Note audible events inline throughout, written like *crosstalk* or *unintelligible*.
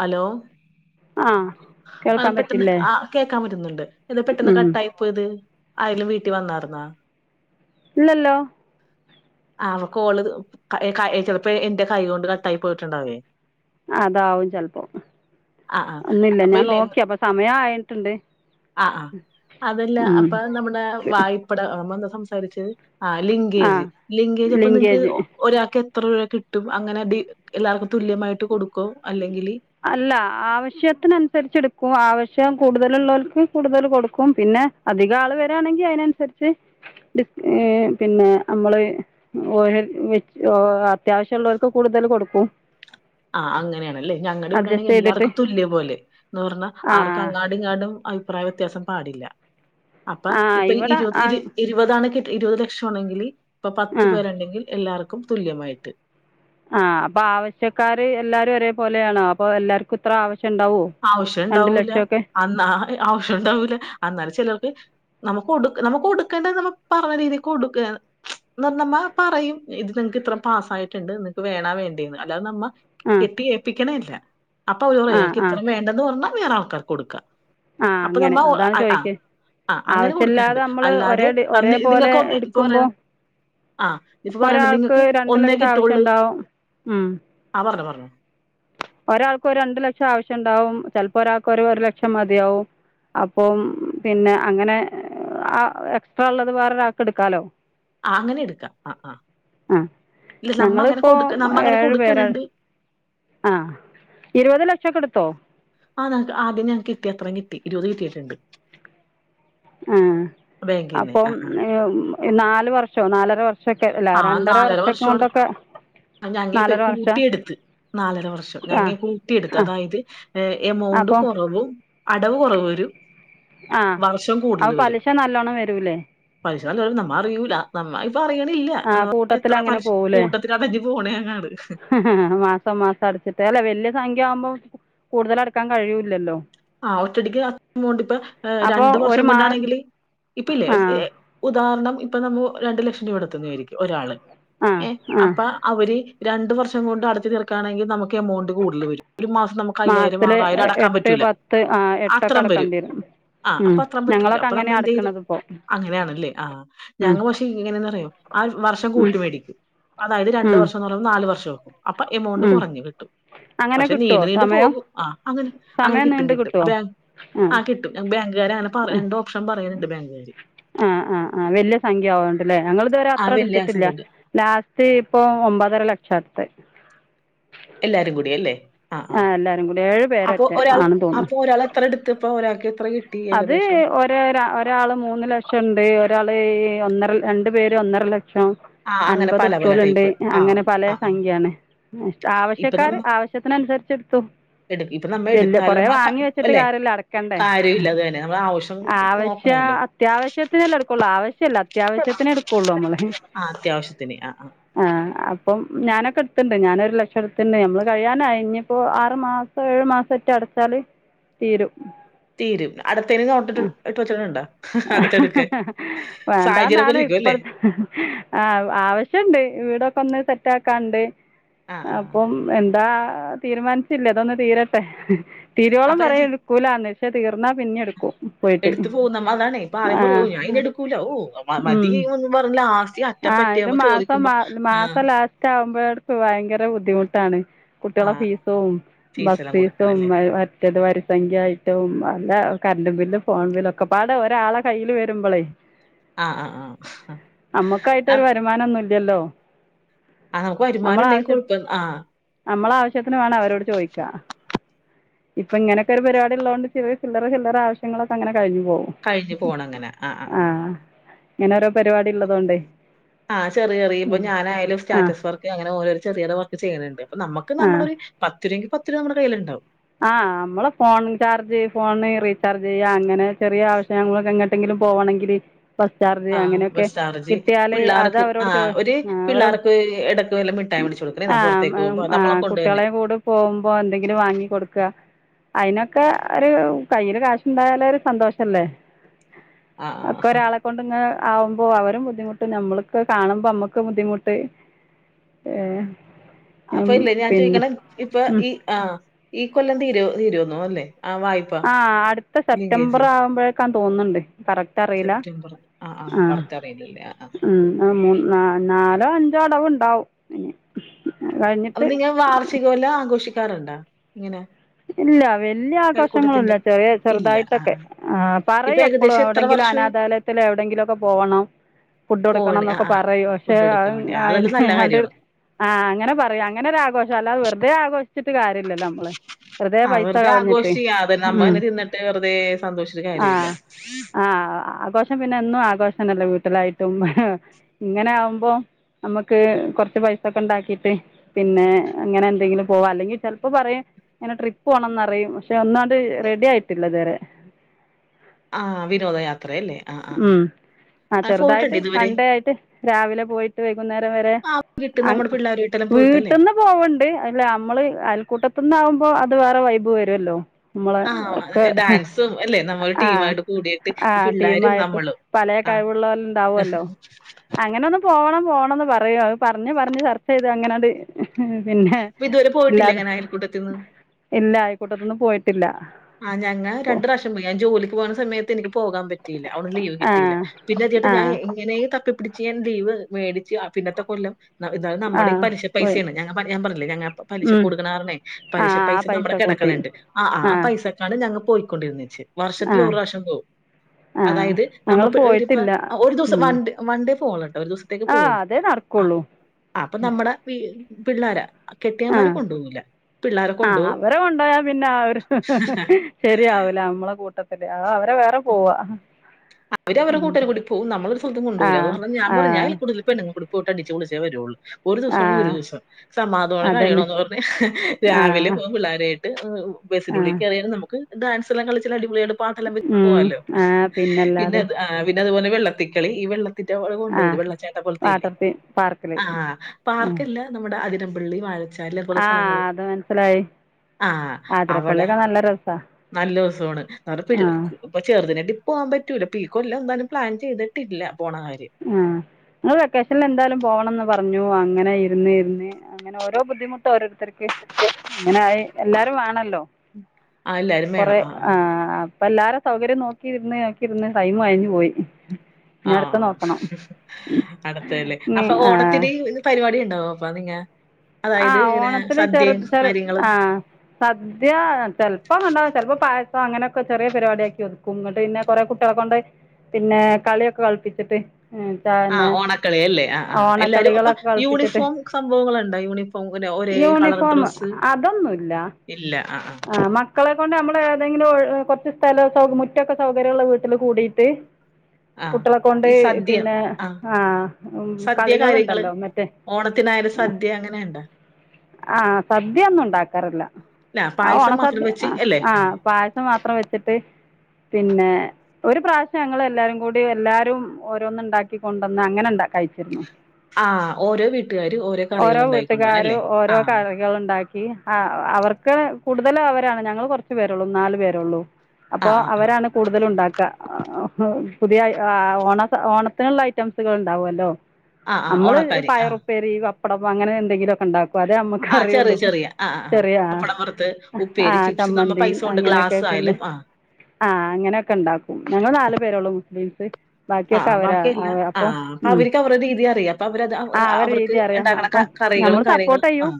Hello ആഹ് അത് കേൾക്കാൻ പെട്ടെന്ന് പറ്റില്ലേ ആഹ് കേക്കാൻ പറ്റുന്നുണ്ട്. എന്ത പെട്ടെന്ന് ഉം കട്ടായി പ്പോയത് ആരേലും വീട്ടി വന്നായ്ര്ന്നാ? ഇല്ലല്ലോ. ആഹ് വ കോള് ക ക ചെലപ്പോ എന്റെ കൈ കൊണ്ട് കട്ടായി പോയിട്ടുണ്ടാവേ. അതാവും ചെലപ്പോ. ആ ആ ഒന്നില്ല അപ്പൊ ഞാൻ നോക്കി അപ്പ സമയായിട്ട്ണ്ട്. ആഹ് ആഹ്. അതല്ല അപ്പൊ നമ്മുടെ വായ്പ്പട ഏഹ് നമ്മളെന്താ സംസാരിച്ചേ. ആഹ് ലിങ്കേജ് ആഹ് ലിങ്കേജ് അപ്പ നിങ് ക്ക് ഒരാക്ക് എത്ര രൂപ കിട്ടും അങ്ങനെ ത് എല്ലാർക്കും തുല്യമായിട്ട് കൊടുക്കോ അല്ലെങ്കില് അല്ല ആവശ്യത്തിനനുസരിച്ച് ഇട്ക്കും. ആവശ്യം കൂടുതലുള്ളോൽക്ക് കൂടുതൽ കൊടുക്കും. പിന്നെ, അധികാള് വരാണെങ്കി അയിനൻസരിച്ച് ഡിസ് ഏഹ് പിന്നെ നമ്മള് ഒഹെൽ വിച് ഓ അത്യാവശ്യള്ളോൽക്ക് കൂടുതൽ കൊടുക്കും. ആഹ് അങ്ങനെയാണല്ലേ. ഞങ്ങടിവിടെ ആണെങ്കി അഡ്ജസ്റ്റ് ചെയ്തിട്ട് എല്ലാർക്കും തുല്യ പോലെ. എന്ന് പറഞ്ഞാ ആർ ആഹ് ക്കങ്ങാടുംഇങ്ങാടും അഭിപ്രായ വ്യത്യാസം പാടില്ല. അപ്പൊ ആഹ് ഇപ്പൊ ഇവിടെ ഇരുപത് ഇര് ആഹ് ഇരു പതാണ് കിട്ടി ഇരുപത് ലക്ഷമാണെങ്കില് ഇപ്പ പത്ത് പേരുണ്ടെങ്കിൽ എല്ലാർക്കും തുല്യമായിട്ട്. ആഹ് അപ്പാവശ്യക്കാര് എല്ലാരും ഒരേപോലെയാണോ, അപ്പൊ എല്ലാർക്കും ഇത്ര ആവശ്യം ഇണ്ടാവോ? ആവശ്യണ്ടാവൂല അന്നാ ആവശ്യ ണ്ടാവൂല. അന്നാലും ചെലർക്ക് നമുക്ക് കൊടു നമുക്ക് കൊടുക്കേണ്ടത് നമ്മ പറഞ്ഞ രീതിക്ക് കൊടുക്കേ ഇന്നർ നമ്മ പറയും ഇത് നിങ്ങക്ക് ഇത്ര പാസ്സായിട്ട്ണ്ട്. നിങ്ങക്ക് വേണാ വേണ്ടേന്ന് അല്ലാതെ നമ്മ ആ കെട്ടി ഏപ്പിക്കണില്ല അപ്പൊ അവര് പറയാ ആ ആ ഞങ്ങക്കിത്രയും വേണ്ടെന്ന് പറഞ്ഞാ വേറെ ആൾക്കാർക്ക് കൊടുക്കാ. ആ അപ്പൊ അങ്ങനെ നമ്മ ഒ അതാണ് അഹ് ആഹ് ചോദിക്കുന്നത് ആഹ് അങ്ങനെ കൊടുക്ണ് ണ്ട്. ആവശ്യമില്ലാതെ നമ്മൾ അല്ലാതെ ഒരേ ഡി- അഹ് ഒരേപോലെ നിങ്ങക്ക് ഒ ഇപ്പ പറയാ എടുക്കുമ്പോൾ ആഹ് ഇപ്പ ഇപ്പോൾ പറയണ്ട് ഒരാൾക്ക് നിങ്ങക്ക് രണ്ട് ഒന്നേ ലക്ഷം ആവശ്യം കിട്ടൊള്ള്, ഉണ്ടാവും ഉം ആഹ് പറഞ്ഞോ പറഞ്ഞോ. ഒരാൾക്ക് ഒരു രണ്ടു ലക്ഷം ആവശ്യണ്ടാവും ചെലപ്പോ ഒരാൾക്ക് ഒരു ഒരു ലക്ഷം മതിയാവും. അപ്പൊം പിന്നെ അങ്ങനെ ആ എക്സ്ട്രാള്ളത് വേറൊരാൾക്ക് ഇട്ക്കാലോ. ആഹ് അങ്ങനെ എടുക്കാം. ആഹ് അഹ്. ആ ഇല്ല നമ്മ അങ്ങനെ ഞങ്ങളിപ്പോൾ കൊടുക്ക നമ്മ അങ്ങനെ കൊടുക്കണണ്ട്. ആഹ് ഇരുപത് ലക്ഷൊക്കെട്ത്തോ? ആഹ് ഞങക്ക് ആദ്യം ഞങ്ങക്ക് കിട്ടി അത്രയും കിട്ടി ഇരുപത് കിട്ടിയിട്ടുണ്ട്. ഏഹ്. ബാങ്കിന്ന് അപ്പം ആ ആ ഏഹ് നാല് വർഷോ നാലര വർ ഷൊക്കെ അല്ല ആ രണ്ടര വർഷോക്കെ കൊണ്ടൊക്കെ ഞങ്ങെ ഇപ്പെ നാലര വർഷം കൂട്ടിയെടുത്ത് നാലര വർഷം ആ ഞങ്ങെ കൂട്ടിയെടുത്ത് ആ അതായത് ഏഹ് എമൗണ്ട് അപ്പോൾ കൊറവും അടവ് കൊറവ് വരും. ആഹ് വർഷം കൂടുതൽ അപ്പ വരും പലിശ നല്ലോണം വരൂല്ലേ? പലിശ നല്ലോം വരും നമ്മ അറിയൂല നമ്മ ഇപ്പ അറിയണില്ല ആ എന്ന എത്ര കൂട്ടത്തിലങ്ങനെ പലിശ പോവില്ലേ കൂട്ടത്തി അടി പോണേ അങ്ങാട്. മാസം മാസം അടച്ചിട്ട് അല്ലെ വെല്ല്യ സംഖ്യ ആവുമ്പോ കൂടുതലടക്കാൻ കഴിയൂല്ലല്ലോ. ആഹ് ഒറ്റടിക്ക് ആ എമൗണ്ട് ഇപ്പ അപ്പോൾ രണ്ടു ഒരു വർഷം മാ കൊണ്ടാണെങ്കില് ഇപ്പ ഇല്ലേ ആ ഏഹ് ഉദാഹരണം ഇപ്പൊ നമ്മു രണ്ടു ലക്ഷം രൂപ എടുത്തെന്ന് വിചാരിക്ക് ഒരാള്. ആഹ്. ഏഹ് അപ്പ അവര് രണ്ട് വർഷം കൊണ്ട് അടച്ച് തീർക്കാണെങ്കിൽ നമു ക്കെ എമൗണ്ട് കൂടുതൽ വരും ഒരു മാസം നമുക്ക് അയ്യായിരം മാസത്തില് ആറായിരം അടക്കാൻ എട്ട് പറ്റൂല. പത്ത് ആഹ് എട്ടൊക്കെ അടക്കേണ്ടി വരും. ആഹ് ഉം അപ്പൊ അത്രം പറ്റൂല ഞങ്ങളൊക്കെ അപ്പ നമ്മ അങ്ങനെയാ എന്തെയ്തു അടക്കണത് ഇപ്പോൾ അങ്ങനെയാണല്ലേ ആഹ് ഉം ഞങ്ങ പക്ഷേ ഇങ്ങനെന്ന് അറിയോ ആൽ വർഷം ഉം കൂട്ടി മേടിക്കും അതായത് രണ്ട് ഉം വർഷം എന്ന് പറയുമ്പോ നാല് വർഷം ആക്കും. അപ്പൊ എമൗണ്ട് ഉം കൊറഞ്ഞു കിട്ടും അങ്ങനെ പക്ഷെ കിട്ടുമോ നീണ്ടു നീണ്ടു സമയം പോകും ആ അങ്ങനെ അങ്ങനെ സമയം കിട്ടും നീണ്ട് കി കിട്ടുമോ ട്ടും ആഹ് കിട്ടും ബാങ്കുകാര് അങ്ങനെ പറ രണ്ട് ഓപ്ഷൻ പറയുന്നുണ്ട് ബാങ്കുകാര്. ആഹ് ആഹ് ആഹ് വെല്ല്യ സംഖ്യ ആയോണ്ട്ല്ലേ ഞങ്ങൾ ഇതുവരെ ആ അത്ര വെള്ളിയാസം എടുത്തിട്ടില്ല. കൊണ്ട് ലാസ്റ്റ് ഇപ്പൊ ഒമ്പതര ലക്ഷ എടുത്തെ. എല്ലാരും കൂടി അല്ലേ ആഹ് ആ ആഹ് എല്ലാവരും കൂടി ഏഴ് അപ്പോ പേരറ്റെ ഒരാൾ ആണെന്ന് തോന്നുന്നു അപ്പോ ഒരാള് എ ത്ര എടുത്തിപ്പ ഒരാക്ക് എത്ര കി അത് ഒ രാ ഒരാള് മൂന്ന് ലക്ഷം ഇണ്ട് ഒരാള് ഒന്നര രണ്ടു പേര് ഒന്നര ലക്ഷം. ആഹ് അങ്ങനെ അൻപത് പല പല എടുത്തോലുണ്ട് ടൈപ്പ് ആഹ് അങ്ങനെ പലേ ആഹ് ആഹ് സംഖ്യയാണ്. ആവശ്യക്കാര് ആവശ്യത്തിന് അനുസരിച്ച് എടുത്തു. എടുത്തീട്ട് ഇപ്പൊ നമ്മ വലിയ എടുത്താലും കുറേ നമ്മ ക വാങ്ങി വെച്ചിട്ട് അല്ലെ കാര്യം ഇല്ലാത് തന്നെ നമ്മള ആവിശ്യ ആവശ്യം അത്യാവശ്യത്തിനല്ലേ എടുക്കുള്ളൂ ആവശ്യല്ല അത്യാവശ്യത്തിന് എടുക്കുള്ളു നമ്മള് ആഹ് അത്യാവശ്യത്തിന് ആഹ് ആഹ്. ആഹ് അപ്പം ഞാനൊക്കെ എടുത്തിണ്ട് ഞാനൊരു ലക്ഷം എടുത്തിണ്ട് നമ്മള് കഴിയാനായി ഇഞ്ഞിപ്പോ ആറ് മാസ് ഏഴു മാസം ഒറ്റ അടച്ചാല് തീരും. തീരും അടുത്തേനി ആ നോട്ടിട്ട് ഇട്ട് വച്ചിട്ടുണ്ട? സാഹചര്യം വേണ്ടാന്നാണ് പോലെ ഇരിക്കും അല്ലേ ഇപ്പഴത്തെ ആഹ് ആവശ്യുണ്ട് വീടൊക്കെ ഒന്ന് സെറ്റ് ആക്കാൻ ഇണ്ട് ആഹ് ആഹ് അപ്പം എന്താ തീരുമാനിച്ചില്ലേ ഇതൊന്ന് തീരട്ടെ തിരോളം അപ്പൊ ഞാൻ പറയ ചോയ് എടുക്കൂലാ ന്ന് ക്ഷേ തീർന്നാ പിന്നെ എടു എടുത്തു പോവും നമ്മ അതാണേ മ്മ ആദ്യം ആ പറയും ഞാ ഇനി ആ എടുക്കൂല ഓ ഉം മതിന്ന് പറഞ്ഞ ലാസ്റ്റ് അറ്റപ്പറ്റയാവുമ്പോ ചോദിക്ക- പ്പം മാ മാസം ലാസ്റ്റ് ആവുമ്പോഴടുത്ത് ഭയങ്കര ബുദ്ധിമുട്ടാണ് കുട്ടികളെ ആഹ് ഫീസും ഫീസ് ബസ് എല്ലാം ഫീസും കൊടുക്കാനല്ലേ മ മറ്റേത് വരി സംഖ്യ ആയിട്ടും അല്ല കറണ്ട് ബില്ലും ഫോൺ ബില്ല് ഒക്കെ ഒക്കാപ്പാടെ ഒരാളെ കയ്യില് വരുമ്പോളേ ആഹ് ആഹ് ആഹ് നമ്മുക്കായിട്ടൊരു വ വരുമാനൊന്നും ഇല്ല്യല്ലോ. ആഹ് നമുക്ക് വരുമാനം ഉണ്ടെങ്കിൽ കുഴപ്പം ആഹ് നമ്മളെ ആവശ്യത്തിന് വേണം അവരോട് ചോയ്ക്കാ. ഇപ്പൊ ഇങ്ങനെയൊക്കെ ഒരു പരിപാടി ഇല്ലോണ്ട് കൊണ്ട് ചെറിയ ചില്ലറ ചില്ലറ ആവശ്യങ്ങളൊക്കെ അങ്ങനെ കഴിഞ്ഞു പോവും കഴിഞ്ഞ് പോണം അങ്ങനെ ആഹ് ആഹ് ആഹ്. ങ്ങനോരോ പരിപാടിള്ളതോണ്ടേ ആഹ് ചെറി ചെറീ ഇപ്പ ഞാനായാലും ആ സ്റ്റാറ്റസ് വർക്ക് അങ്ങനെ ഓരോ ചെറി ചെറീയൊരു വർക്ക് ചെയ്യ്ണ്ട് അപ്പ നമക്ക് ആ നമ്മടൊരു പത്ത് രൂപയെങ്കി പത്തുരുപ നമ്മുടെ കയ്യിലുണ്ടാവും ആഹ് നമ്മളെ ഫോണിൽ ചാർജ് ഫോണ് റീചാർജ് ചെയ്യാ അങ്ങനെ ചെറിയ ആവ്യശ്യങ്ങൾക്ക് നമ്മൾക്കെങ്ങട്ടെങ്കിലും പോകണെങ്കില് ബസ് ചാർജ് ആഹ് അങ്ങനെയൊക്കെ ബസ് ചാർജ് കിട്ടിയാല് പിള്ളാർക്ക് അതവരോട് ചോ ആഹ് ഒരു അവരും പിള്ളാർക്ക് ഇടക്ക് വല്ല മിഠായി മേടിച്ചു കൊടുക്കണേ ന ആഹ് പുറത്തേക്ക് അം പോകുമ്പോ നമ്മളെ ആഹ് കൊണ്ട് തന്നെ കുട്ടെളേം കൂടെ പോകുമ്പോ എന്തെങ്കിലും വാങ്ങി കൊടുക്കാ അയ്നൊക്കെ ഒര് കയ്യിൽ കാശുണ്ടായാല് ഒര് സന്തോഷല്ലേ ആഹ് ആഹ് ഒക്കൊരാളെ കൊണ്ട് ഇങ്ങനെ ആവുമ്പോ അവരും ബുദ്ധിമുട്ടും നമ്മൾക്ക് കാണുമ്പോ അമ്മക്കും ബുദ്ധിമുട്ട് ഏഹ് ഉം അപ്പൊ ഇല്ലേ ഞാൻ പിന്നെ ചോദിക്ക്ണേ ഇപ്പൊ ഉം ഈ ആഹ് ഈ കൊല്ലം തീരോ തീരുന്ന് അല്ലേ ആ വായി ആഹ് അട്ത്ത സെപ്റ്റംബർ ആകുമ്പഴേക്കാന്ന് തോന്ന്ണ്ട് കറക്റ്റ് അറിയില്ല സെപ്റ്റംബർ ആഹ് ആഹ് കറക്റ്ററിയില്ലല്ലേ ആഹ് ആഹ് ഉം മു നാലോ അഞ്ചോ അടവ്ണ്ടാവും അയ്ന് അപ്പൊ നിങ്ങ വാർഷികവെല്ലാ ആഘോഷിക്കാറ്ണ്ടോ ഇങ്ങനെ ഇല്ല വല്ല്യ ആഘോഷങ്ങള്ല്ല അയൽക്കൂട്ടത്തിന്റെ ചെറിയ ഇല്ല ആഹ് ചെറുതായിട്ടൊക്കെ ആഹ് ഇപ്പൊ പറയും എപ്പളും ഏകദേശം എത്ര എവിടെങ്കിലും അനാ വർഷമായി ദാലയത്തിലൊ എവിടെങ്കിലൊക്കെ പോവണം ഫുഡ് കൊടുക്കണം ഫോണ് ആ ന്നൊക്കെ ആ പറയും പക്ഷെ ഫുഡ് കൊടുക്കാൻ അഅ് വേണ്ടി ആ അയിന് അതെല്ലാം നല്ല ആണ്ട് കാര്യമാണ് ആഹ് അങ്ങനെ പറയും അങ്ങനൊരാഘോഷം അല്ലാതെ വെറുതെ ആഘോഷിചിട്ട് കാര്യല്ലല്ലോ അമ്മള് ആഹ് വെറുതെ ആഘോഷി അതെ നമ്മഅന്നെ ഉം തിന്നിട്ട് വെറുതെ സന്തോഷിചിട്ട് കാര്യവില്ല ആഹ് ആഘോഷം പിന്നെ എന്നും ആഘോഷന്നെല്ലെ വീട്ടിലായിട്ടും ഇങ്ങനാവുമ്പോ നമ്മക്ക് കൊർച്ച് പൈസൊക്കെ ണ്ടാക്കിട്ട് പിന്നെ അങ്ങനെ എന്തെങ്കിലും പോവാ അല്ലെങ്കി ചെൽപ്പം പറയും ങ്ങനെ ട്രിപ്പോണംന്നറിം. പക്ഷെ ഒന്നാണ്ട് റെഡി ആയിട്ടില്ലതുവരെ ആഹ് വിനോദയാത്ര അല്ലേ ആഹ് ആഹ് ആഹ് ആഹ് ചെറുതായിട്ട് വൺഡേ ആയിട്ട് രാവിലെ പോയിട്ട് വൈകുന്നേരം വരെ ആ കിട്ടും അങ് നമ്മുടെ പിള്ളേരുമായിട്ടെല്ലാം പോയിട്ടല്ലേ വീട്ട്ന്ന് പോവ്ണ്ട് അല്ല അമ്മള് അയൽക്കൂട്ടത്ത്ന്നാകുമ്പോ അത് വേറെ വൈബ് വരല്ലോ മ്മളെ ആ ഒക്കെ ഡാൻസും അല്ലേ നമ്മൾ ആഹ് ടീമായിട്ട് കൂടിയിട്ട് ഈ ആഹ് പിള്ളേരും നമ്മളും *unintelligible* പലേ ആ കഴിവുള്ളോല്ല് ഇണ്ടാവല്ലോ അങ്ങനൊന്ന് പോണം പോണംന്ന് പറയും അഅ് പറഞ്ഞ് പറഞ്ഞ് ചർച്ച ചെയ്ത് അങ്ങനാണ്ട് പിന്നെ അപ്പൊ ഇതുവരെ പോയിട്ടില്ല ഇല്ലാതെ അങ്ങനെ അയൽക്കൂട്ടത്തിന്ന് ഇല്ല അയൽക്കൂട്ടത്ത്ന്ന് പോയിട്ടില്ല ആഹ് ഞങ്ങ രണ്ട് പ്രാശ്യം പോയി ഞാൻ ജോലിക്ക് പോകുന്ന സമയത്ത് എനിക്ക് പോകാൻ പറ്റിയില്ല അവുട്ന്ന് ലീവ് ആ കിട്ടിയില്ല. പിന്നെ അട്ട് ആ ഞാ എങ്ങനെ തപ്പിപ്പിടിച്ച് ച്ച് ഞാൻ ലീവ് മേടിച്ച് ആഹ് പിന്നത്തെ കൊല്ലം ഇത് നമ്മുടെ ഈ ആഹ് പലിശ പോയി പൈസയാണ് ഞങ ഞാൻ പറഞ്ഞില്ലേ ഞങ്ങ പലിശ ഉം കൊടുക്ക്ണ കാറണേ പലിശ ആഹ് ആ പൈസ നമ്മുടെ കൂട്ടി കിടക്ക്ണ് ണ്ട് ആഹ് ആഹ് ആ പൈസക്കാണ് ഞങ്ങ പോയിക്കൊണ്ടിരുന്നച്ച് വർഷത്തില് ആഹ് ഒര്റാഷം പോവും ആഹ് അതായത് നമ്മ ഞങ്ങള് ഇപ്പ പോയിട്ടില്ല ഒരു ദിവസം ഉം വണ്ടേ വൺണ്ടേ പോണ്ട് ഒരു ദിവസത്തേക്ക് ആഹ് പോവൊള്ളൂ അതേ നടക്കുള്ളൂ അപ്പ നമ്മടെ പിള്ളാരാ കെട്ടിയന്മാരെ ആഹ് കൊണ്ടുപോകൂല പിള്ളാരെ ആഹ് കൊണ്ടോകും അവരെ കൊണ്ടോയാ പിന്നെ അവര് ശെരിയാവൂല അമ്മളെ കൂട്ടത്തില് അ അവരെ വേറെ പോവാ അവര് അവര് കൂട്ടരെ കൂട്ടി പോവും നമ്മളെ ഒരു സ്ഥലത്തും കൊണ്ടോവൂല ആഹ് അത്കാരണം ഞാപറയും ആഹ് ഞാഅയൽകൂട്ടത്തിൽ പെണ്ണുങ്ങളെ കൂടെ പോയിട്ട് അടിച്ച് പൊളിച്ചേ വരൊള്ളൂ ഒരു ദുവസാണെങ്കി ഒരു ആഹ് ദുവസം സമാധാനത്തോടെ അതന്നെ കഴിയണോന്ന് പറഞ്ഞ് രാവിലെ ആഹ് പോകും പിള്ളാരയായിട്ട് ബസ്സിൻ്റെ ഉള്ളീ ആഹ് കയറിയാലും നമുക്ക് ഡാൻസെല്ലാം കളിച്ച് എല്ലാം അടിപൊളിയായിട്ട് പാട്ടെല്ലാം വെ ച്ച് ഉം പോവാല്ലോ? ആഹ് പിന്നെ പിന്നല്ലാതെ പിന്നെ അതുപോലെ വെള്ളത്തിക്കളി ഈ വെള്ള ത്തിന്റെ അവ്ടെ കൊണ്ടുപോവേല ആഹ് വെള്ളച്ചാട്ടം പോൽത്തേല്ലേ വാട്ടർ തീം പാർക്കില് ആഹ് ആഹ് പാർക്കല്ല നമ്മുടെ അതിരംപള്ളി വാഴച്ചാല് അതുപോലോത്ത ആഹ് സ്ഥലങ്ങള് അത് മനസ്സിലായി ആഹ് അവടെ ആതിരപ്പള്ളിയൊക്കെ നല്ല രസാ നല്ലോസാണ് അവിടെ പി ആഹ് ഇപ്പൊ ചെറുതിനേറ്റ് പോകാൻ പറ്റൂല അപ്പൊ ഈ കൊല്ലം എന്തായാലും പ്ലാൻ ചെയ്തിട്ടില്ല പോണ കാര്യം ആഹ് ഞ്ഞങ്ങള് വെക്കേഷൻല് എന്തായാലും പോകണംന്ന് പറഞ്ഞു അങ്ങനെ ഇരുന്ന് ഇരുന്ന് അങ്ങനെ ഓരോ ബുദ്ധിമുട്ട് ഓരോരുത്തർക്ക് അങ്ങനായി എല്ലാരും വേണല്ലോ? ആ എല്ലാരും കൊറെ വേണം. ആ ആഹ് അപ്പ എല്ലാരും സൗകര്യം നോക്കിയിരുന്ന് നോക്കിയിരുന്ന് ടൈമ് കഴിഞ്ഞ് പോയി ഇനി അടുത്ത ആഹ് നോക്കണം അടുത്തേല് ഇനി അപ്പൊ ഓണത്തിന് ആഹ് പരിപാടി ഇണ്ടാവോ അപ്പ നിങ്ങ? അതായത് ആഹ് ഇങ്ങനെ ഓണത്തിന് ചെറു സദ്യയും ചെറു കാര്യങ്ങളും ആഹ് സദ്യ ചെൽപ്പോം കണ്ടോ ചെൽപ്പോ പായസം അങ്ങനെയൊക്കെ ചെറിയ പരിപാടി ആക്കി വെക്കും ഇങ്ങെട്ട് പിന്നെ കൊറേ കുട്ടിയളെ കൊണ്ട് പിന്നെ കളിയൊക്കെ കളിപ്പിച്ചിട്ട് ആഹ് പിന്നെ ഓണക്കളി അല്ലേ? ആഹ് ആഹ് എല്ലാരും അപ്പൊ ഓണക്കളികളൊക്കെ കളിപ്പിച്ചിട്ട് യൂണിഫോം സംഭവങ്ങളുണ്ടോ? യൂണിഫോ മ് ഇങ്ങനെ ഒരേ കളർ യൂണിഫോം ഡ്രസ്സ് അതൊന്നുല്ല ഇല്ല ആഹ് ആഹ് മക്കളെ കൊണ്ട് നമ്മള് ഏതെങ്കിലും ഒഴി കൊറച്ച് സ്ഥല സ മുറ്റൊക്കെ സൗകര്യള്ള വീട്ടില് കൂടിയിട്ട് ആ കുട്ടികളെ കൊണ്ട് ഈ സദ്യ പിന്നെ ആ ആഹ് സദ്യ കാര്യങ്ങള് കളികളുണ്ടല്ലോ മറ്റേ ഓണത്തിനായാലും സദ്യ അങ്ങനെയ്ണ്ടോ? ആഹ് സദ്യ ഒന്നും ഉണ്ടാക്കാറില്ല ഇല്ല അഹ് പായസം മാത്രം ഓണസദ്യ വെച്ച് ആഹ് അല്ലേ ആ ആഹ് പായസം മാത്രം വെച്ചിട്ട് പിന്നെ ഒരു പ്രാശ്യം ഞങ്ങള് എല്ലാരും കൂടി എല്ലാരും ഓരോന്ന് ഇണ്ടാക്കി കൊണ്ടുവന്ന് അങ്ങനെണ്ടാ കഴിച്ചിരുന്നു ആഹ് ഓരോ വീട്ടുകാര് ഓരോ കറികൾ ഓരോ ഉണ്ടായിക്കൊണ്ടുവരും അല്ലേ വീട്ടുകാരും ആ ഓരോ കറി കള്ണ്ടാക്കി ആഹ് അവർക്ക് കൂടുതലും അവരാണ് ഞങ്ങള് കൊറച്ചു പേരൊള്ളൂ നാലു പേരൊള്ളൂ ആ അപ്പൊ ആ ആ അവരാണ് കൂടുതലും ഇണ്ടാക്ക പുതിയ ഓണ ഓണത്തിനുള്ള ഐറ്റംസുകള് ഇണ്ടാവുമല്ലോ? ആ ആ അമ്മള് ഓണക്കാര് ആ പയറുപ്പേരി, പപ്പടം, അങ്ങനെ എന്തെങ്കിലൊക്കെ ഇണ്ടാക്കും അതെ നമ്മക്ക് ആ ചെറിയ അറിയൊള്ളു ചെറിയ ആ ആ ആ ചെറിയ പപ്പടം വറുത്ത് ഉപ്പേരി ആഹ് ചിപ്സ് നമ്മ ചമ്മന്തി, പൈസ കൊണ്ട് അങ്ങനെക്കെ ഗ്ലാസ് പിന്നെ ആയാലും ആ ആഹ് അങ്ങനെക്കെണ്ടാക്കും ഞങ്ങള് നാല് പേരൊള്ളൂ മുസ്ലിംസ് ആ ബാക്കിയൊക്കെ ആ, അവരാ ബാക്കിയല്ല അവ ആ അപ്പം അപ്പൊ ഉം അവർക്ക് അവരുടെ രീതി അറിയാം അപ്പൊ അവരത് അവ- ആഹ് ഒരു അവർക്ക് രീതി അറിയാ ഉണ്ടാക്കണ അപ്പം ക- കറികളും ഞ്ഞമ്മള് സപ്പോർട്ട് കാര്യങ്ങളും ആ ചെയ്യും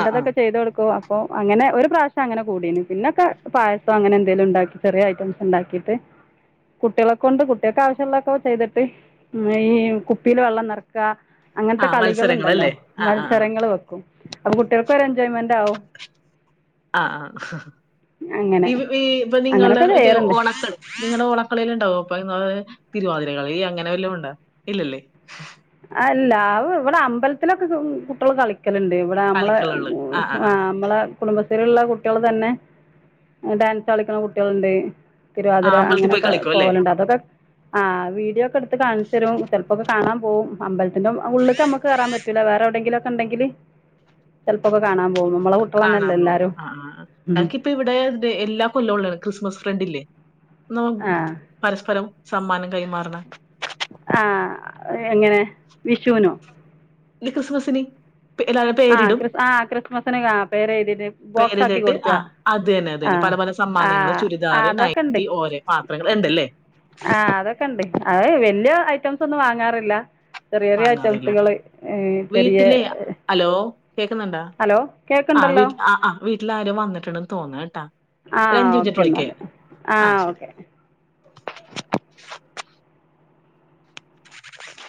ആ ആ ചെയ്ത് കൊടുക്കും അ പ്പൊ അങ്ങനെ ഒരു പ്രാശ്യം അങ്ങനെ കൂടീണ് പിന്നൊക്കെ പായസം അങ്ങനെ എന്തേലും ഇണ്ടാക്കി ചെറിയ ഐറ്റംസ് ഇണ്ടാക്കിയിട്ട് കുട്ടിയളൊക്കെ കൊണ്ട് കുട്ടിയക്ക് ആവശ്യള്ളൊക്കെ ചെയ്തിട്ട് ഈ കുപ്പിയില് വെള്ളം നെറക്ക ആ അങ്ങനത്തെ കളികള്ണ്ടല്ലോ? മത്സരങ്ങളല്ലേ ആ ആ ആ മത്സരങ്ങള് വെക്കും അപ്പം കുട്ടികൾക്കൊരു എൻജോയ്മെന്റാവും ആഹ് ആഹ് അങ്ങനെ ഈ ഇപ്പൊ നിങ്ങൾടെ അങ്ങനൊക്കെ മറ്റേ ചെയ്യാറുണ്ട് ഓണ സ നിങ്ങടെ ഓളക്കളിയെല്ലാം ഇണ്ടാവൊ? അപ്പൊ തിരുവാതിരകളി അങ്ങനെ വല്ലോം ഉണ്ടോ? ഇല്ലല്ലേ? അല്ല അഹ് ഇവടെ അമ്പലത്തിലൊക്കെ കുട്ടികള് കളിക്കും കളിക്കല്ണ്ട് ഇവിടെ നമ്മളെ കളിക്കളുള്ളു ആ ആ ആ ആഹ് അമ്മളെ കുടുംബത്തില്ള്ള കുട്ടികള് തന്നെ ഡാൻസ് കളിക്ക്ണ കുട്ടികള്ണ്ട് ആ തിരുവാതിര അമ്പലത്തിൽ പോയി അങ്ങനെക്കെ കളിക്കും അല്ലേ പോവല്ണ്ട് അതൊക്കെ ആഹ് വീഡിയോക്കെ എടുത്ത് കാണിച്ചെരും ചെലപ്പൊക്കെ കാണാൻ പോകും അമ്പല പിന്നെ ഔ ഉള്ള്ക്ക് നമ്മക്ക് കയറാൻ പറ്റൂല്ല വേറെ എവിടെങ്കിലൊക്കെ ഇണ്ടെങ്കില് ചെലപ്പൊക്കെ കാണാൻ പോകും നമ്മള കാണാൻ പോകും ആഹ് ആഹ് അൻകി ഇപ്പ ഇവിടെ ഇതെ എല്ലാ കൊല്ലോള്ളു ഞൻക് ക്രിസ്മസ് ഫ്രണ്ടില്ലേ ന ആ പരസ്പരം സമ്മാനം കൈമാറ്ണ ആഹ് എ എങ്ങനെ വിഷുവിനോ ലി ക്രിസ്മസിന് *unintelligible* ആഹ് ക്രിസ് ആഹ് ക്രിസ്മസിന് കാണ പേര് എഴ്തിട്ട് ബോക്സ് ആക്കി പേരിലിട്ട് കൊടുക്ക ആ അത് തന്നെ അത് തന്നെ പല പല സമ്മാനങ്ങള് ആ ചുരിദാറ് അതൊക്കെ ഉണ്ട് നൈറ്റി ഓരെ പാത്രങ്ങള് ഇണ്ട് അല്ലേ ആഹ് അതൊക്കെ ഇണ്ട് അത് വല്ല്യ ഐറ്റംസ് ഒന്നും വാങ്ങാറില്ല ചെറിയ ചെറിയ വാങ്ങാറില്ല ഐറ്റംസുകള് ഏഹ് ചെറിയ വീട്ടിലെ ഹലോ കേക്കുന്നുണ്ട ഹലോ ആഹ് കേൾക്കുന്നുണ്ടല്ലോ വീട്ട്ൽ ആഹ് ആഹ് വീട്ടില് ആരോ വന്നിട്ടുണ്ടെന്ന് തോന്നുണ് ട്ടാ ആഹ് ഒരഞ്ച് മിൻട്ട് കയിട്ട് ഓക്കെ വിളിക്കെ എന്നാൽ ആഹ് ശരി *inaudible*